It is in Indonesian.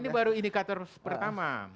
ini baru indikator pertama